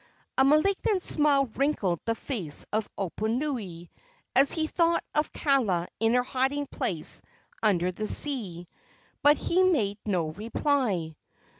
A malignant smile wrinkled the face of Oponui, as he thought of Kaala in her hiding place under the sea, but he made no reply.